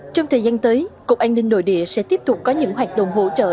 trong thời gian tới cục an ninh nội địa sẽ tiếp tục có những hoạt động hỗ trợ